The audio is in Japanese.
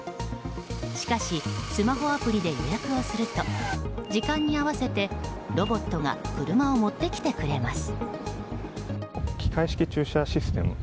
しかし、スマホアプリで予約をすると、時間に合わせてロボットが車を持ってきてくれます。